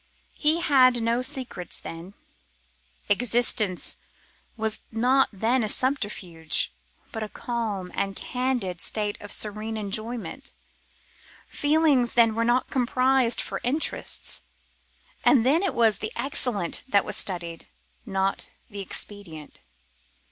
He had no secrets then. Existence was not then a subterfuge, but a calm and candid state of serene enjoyment. Feelings then were not compromised for interests; and then it was the excellent that was studied, not the expedient.